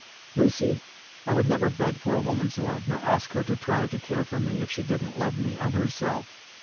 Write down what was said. "Lucy, I would never beg for a woman's love, nor ask her to try to care for me, if she didn't love me, of herself.